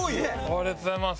ありがとうございます。